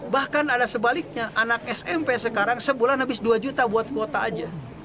bahkan ada sebaliknya anak smp sekarang sebulan habis dua juta buat kuota aja